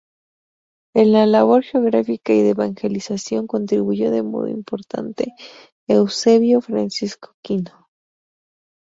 En la labor geográfica y de evangelización contribuyó de modo importante Eusebio Francisco Kino.